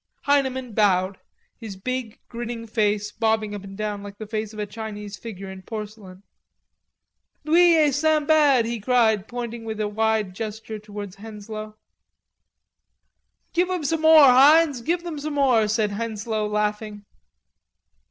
Heineman bowed, his big grinning face bobbing up and down like the face of a Chinese figure in porcelain. "Lui est Sinbad," he cried, pointing with a wide gesture towards Henslowe. "Give 'em some more, Heinz. Give them some more," said Henslowe, laughing.